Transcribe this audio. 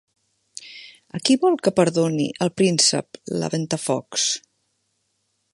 A qui vol que perdoni el príncep la Ventafocs?